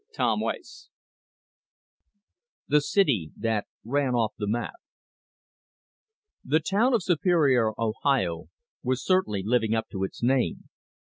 A. THE CITY THAT RAN OFF THE MAP The town of Superior, Ohio, certainly was living up to its name!